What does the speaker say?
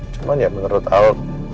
cuman ya menurut al